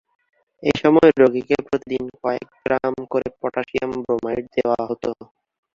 এসময় রোগীকে প্রতিদিন কয়েক গ্রাম করে পটাসিয়াম ব্রোমাইড দেওয়া হত।